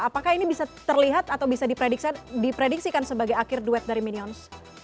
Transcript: apakah ini bisa terlihat atau bisa diprediksikan sebagai akhir duet dari minions